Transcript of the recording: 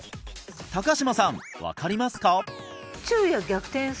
高島さん分かりますか？